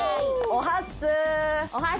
おはっす。